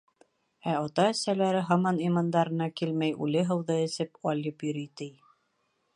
Ә ата-әсәләре, һаман имандарына килмәй, үле һыуҙы эсеп алйып йөрөй, ти.